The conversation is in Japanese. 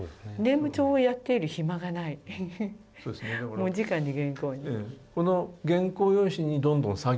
もうじかに原稿に。